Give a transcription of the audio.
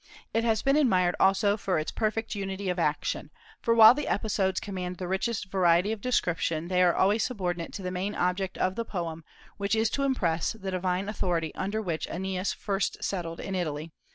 It has been admired also for its perfect unity of action; for while the episodes command the richest variety of description, they are always subordinate to the main object of the poem, which is to impress the divine authority under which Aeneas first settled in Italy.